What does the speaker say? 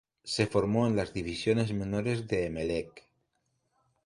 Se formó en las divisiones menores de Emelec.